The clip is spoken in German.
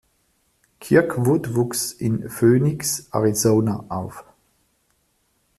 Kirkwood wuchs in Phoenix, Arizona, auf.